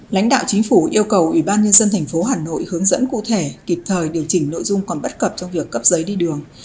lãnh đạo chính phủ yêu cầu ủy ban nhân dân tp hà nội hướng dẫn cụ thể kịp thời điều chỉnh nội dung còn bất cập trong việc cấp giấy đi đường